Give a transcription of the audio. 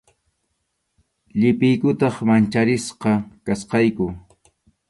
Llipiykutaq mancharisqa kachkayku.